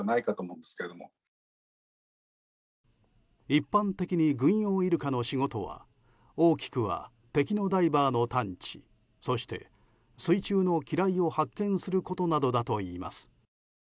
一般的に、軍用イルカの仕事は大きくは敵のダイバーの探知そして水中の機雷を発見することなどだといいます。